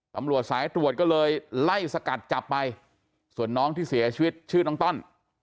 ตำรวจสายตรวจก็เลยไล่สกัดจับไปส่วนน้องที่เสียชีวิตชื่อน้องต้อน